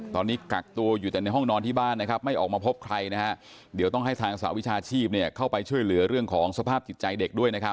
ตอนนี้กักตัวอยู่แต่ในห้องนอนที่บ้านนะครับไม่ออกมาพบใครนะฮะเดี๋ยวต้องให้ทางสหวิชาชีพเข้าไปช่วยเหลือเรื่องของสภาพจิตใจเด็กด้วยนะครับ